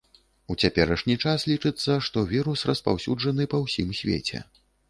У цяперашні час лічыцца, што вірус распаўсюджаны па ўсім свеце.